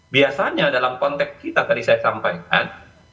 biasanya dalam konteks kita tadi saya sampaikan